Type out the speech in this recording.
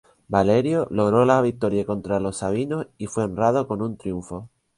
Valerio logró la victoria contra los sabinos y fue honrado con un triunfo.